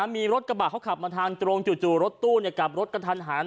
มีรถกระบะเขาขับมาทางตรงจู่รถตู้กลับรถกระทันหัน